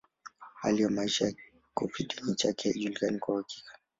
Hali ya maisha na kifodini chake haijulikani kwa uhakika.